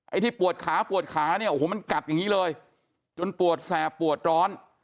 ไอ้ที่ปวดขาปวดขามันกัดอย่างนี้เลยจนปวดแสบปวดร้อน